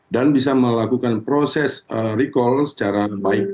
dan bisa melakukan proses recall secara baik